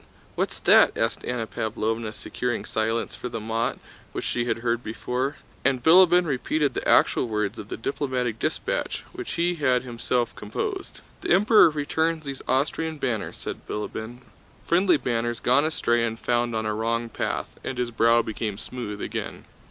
What's that?" asked Anna Pávlovna, securing silence for the mot, which she had heard before. And Bilíbin repeated the actual words of the diplomatic dispatch, which he had himself composed. "The Emperor returns these Austrian banners," said Bilíbin, "friendly banners gone astray and found on a wrong path," and his brow became smooth again.